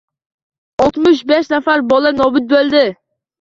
Oltmush besh nafar bola nobud boʻldi